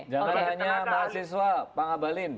jangan hanya mahasiswa pak ngabalin